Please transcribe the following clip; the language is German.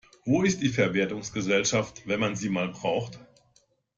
Wo ist die Verwertungsgesellschaft, wenn man sie mal braucht?